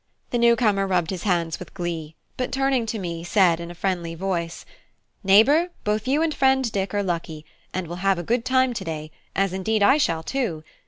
The newcomer rubbed his hands with glee, but turning to me, said in a friendly voice: "Neighbour, both you and friend Dick are lucky, and will have a good time to day, as indeed I shall too.